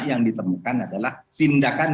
yang ditemukan adalah tindakan